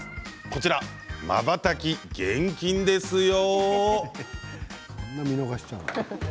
こちらまばたき厳禁ですよ。